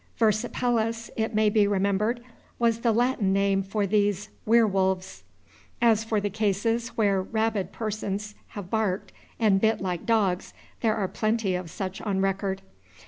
Versipelles, it may be remembered, was the Latin name for these "were wolves." As for the cases where rabid persons have barked and bit like dogs, there are plenty of such on record.